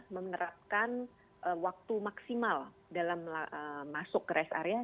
menerapkan waktu maksimal dalam masuk ke rest area